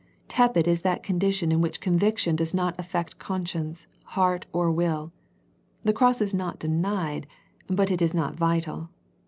Tepid is that condition in which conviction does not affect conscience, heart, or will. The Cross is not denied, but it is not vital.